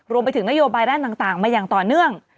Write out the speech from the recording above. รวมไปถึงนโยบายด้านต่างมาอย่างต่อเนื่อง